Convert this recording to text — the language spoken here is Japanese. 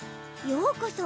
ようこそ